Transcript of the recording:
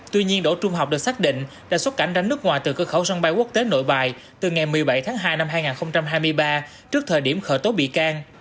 tuy nhiên đỗ trung học được xác định đã xuất cảnh ranh nước ngoài từ cơ khẩu sân bay quốc tế nội bài từ ngày một mươi bảy tháng hai năm hai nghìn hai mươi ba trước thời điểm khởi tố bị can